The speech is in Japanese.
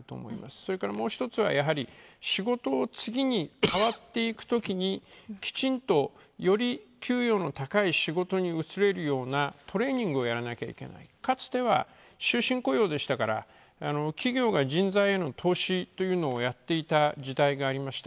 それからもう一つは、仕事を次に変わっていくときにきちんと、より給与の高い仕事に結べるようなトレーニングやらなければならない。かつては終身雇用でしたから、企業が人材への投資というのをやっていた時代がありました。